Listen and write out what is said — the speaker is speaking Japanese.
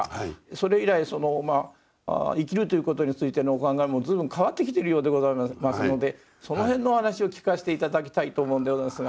それ以来生きるということについてのお考えも随分変わってきてるようでございますのでその辺のお話を聞かして頂きたいと思うんでございますが。